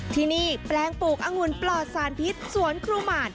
ที่นี่แปลงปลูกอังุ่นปลอดสารพิษสวนครูหมาน